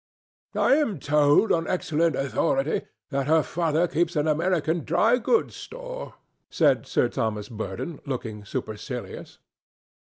"I am told, on excellent authority, that her father keeps an American dry goods store," said Sir Thomas Burdon, looking supercilious.